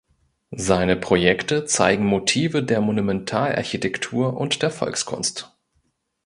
Seine Projekte zeigen Motive der Monumentalarchitektur und der Volkskunst.